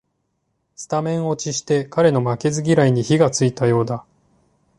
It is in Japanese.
スタメン落ちして彼の負けず嫌いに火がついたようだ